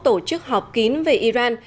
tổ chức họp kín về iran